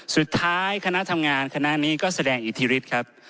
คณะทำงานคณะนี้ก็แสดงอิทธิฤทธิ์ครับ